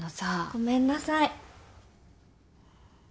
ごめんなさい。